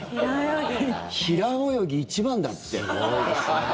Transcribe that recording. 平泳ぎ一番だって。